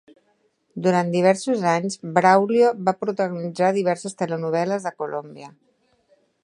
Durant diversos anys, Braulio va protagonitzar diverses telenovel·les de Colòmbia.